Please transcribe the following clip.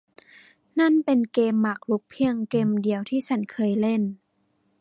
นั่นเป็นเกมหมากรุกเพียงเกมเดียวที่ฉันเคยเล่น